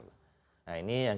nah ini yang kita harus menghargai